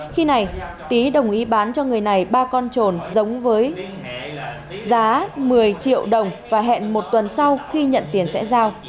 khi này tý đồng ý bán cho người này ba con trồn giống với giá một mươi triệu đồng và hẹn một tuần sau khi nhận tiền sẽ giao